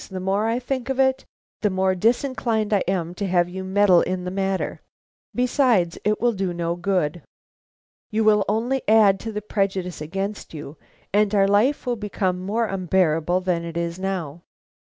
The more I think of it, the more disinclined I am to have you meddle in the matter. Besides, it will do no good. You will only add to the prejudice against you, and our life will become more unbearable than it is now.'"